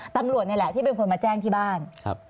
ตำรวจนี่แหละที่เป็นคนมาแจ้งที่บ้าน